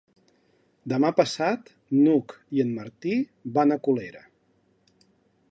Demà passat n'Hug i en Martí van a Colera.